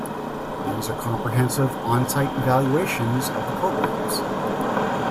These are comprehensive on-site evaluations of the programs.